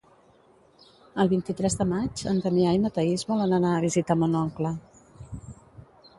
El vint-i-tres de maig en Damià i na Thaís volen anar a visitar mon oncle.